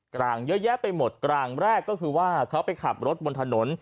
กลางเยอะแยะไปหมดกลางแรกก็คือว่าเขาไปขับรถบนถนน